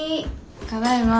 ただいま。